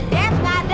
dev kemana dia